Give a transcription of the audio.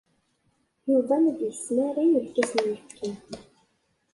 Yuba la d-yesmaray lkas n uyefki.